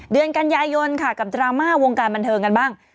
เดือนกันยายนค่ะกับดราม่าวงการบันเทิงกันบ้าง